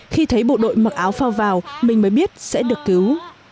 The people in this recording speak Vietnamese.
khi thấy bộ đội mặc áo phao vào mình mới biết sẽ được cứu